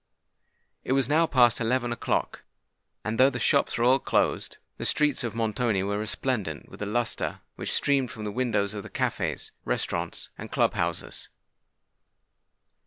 It was now past eleven o'clock; and, though the shops were all closed, the streets of Montoni were resplendent with the lustre which streamed from the windows of the cafés, restaurants, and club houses.